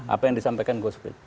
apa yang disampaikan ghost fleet